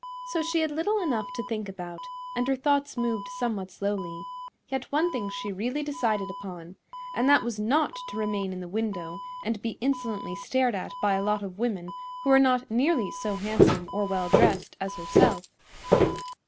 So she had little enough to think about, and her thoughts moved somewhat slowly; yet one thing she really decided upon, and that was not to remain in the window and be insolently stared at by a lot of women who were not nearly so handsome or well dressed as herself.